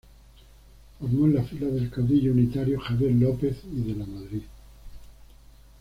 Formó en las filas del caudillo unitario Javier López y de Lamadrid.